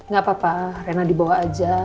gak apa apa rena dibawa aja